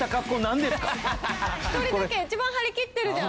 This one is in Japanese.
１人だけいちばん張り切ってるじゃん。